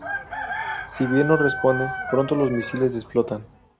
Si bien no responden, pronto los misiles explotan.